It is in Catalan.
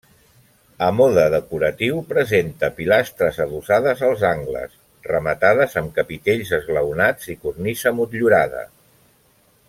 A mode decoratiu presenta pilastres adossades als angles, rematades amb capitells esglaonats i cornisa motllurada.